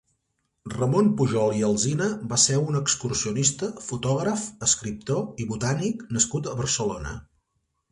Ramon Pujol i Alsina va ser un excursionista, fotògraf, escriptor i botànic nascut a Barcelona.